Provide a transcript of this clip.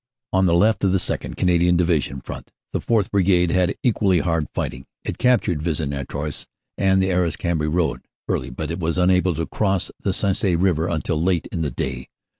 On the left of the 2nd. Canadian Division front the 4th. Brigade had equally hard fighting. It captured Vis en Artois, on the Arras Cambrai road, early but was unable to cross the Sensee river until late in the day.